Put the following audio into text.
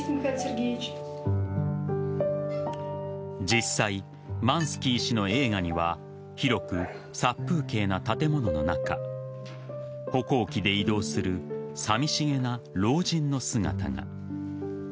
実際、マンスキー氏の映画には広く、殺風景な建物の中歩行器で移動するさみしげな老人の姿が。